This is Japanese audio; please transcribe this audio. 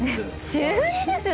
中２ですよ。